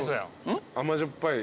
甘じょっぱい。